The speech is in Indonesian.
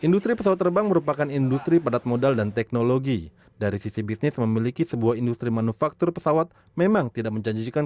dan kita akan mengekalkan cinta keamanan